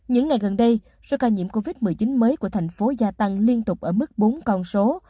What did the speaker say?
những ngày gần đây số ca nhiễm covid một mươi chín mới của thành phố gia tăng liên tục ở mức bốn con số